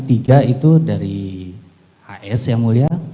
dan tiga itu dari hs yang mulia